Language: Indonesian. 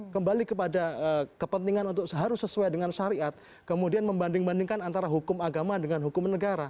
kembali kepada kepentingan untuk harus sesuai dengan syariat kemudian membanding bandingkan antara hukum agama dengan hukum negara